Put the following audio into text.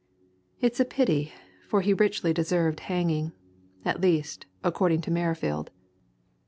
It's a pity for he richly deserved hanging. At least, according to Merrifield."